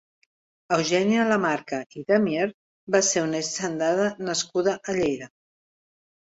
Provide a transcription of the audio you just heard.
Eugènia Lamarca i de Mier va ser una hisendada nascuda a Lleida.